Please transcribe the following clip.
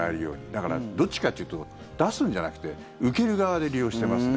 だから、どっちかっていうと出すんじゃなくて受ける側で利用してますね。